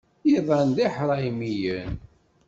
Iḍan d iḥṛaymiyen.